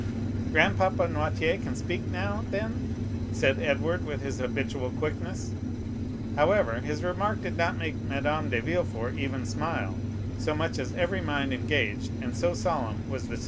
"Grandpapa Noirtier can speak now, then," said Edward, with his habitual quickness. However, his remark did not make Madame de Villefort even smile, so much was every mind engaged, and so solemn was the situation.